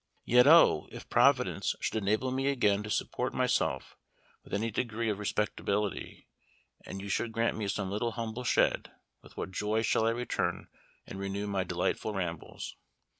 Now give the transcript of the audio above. Yet O! if Providence should enable me again to support myself with any degree of respectability, and you should grant me some little humble shed, with what joy shall I return and renew my delightful rambles.